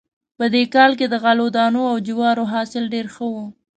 په دې کال کې د غلو دانو او جوارو حاصل ډېر ښه و